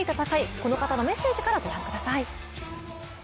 この方のメッセージからご覧ください。